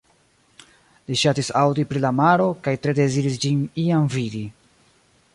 Li ŝatis aŭdi pri la maro, kaj tre deziris ĝin iam vidi.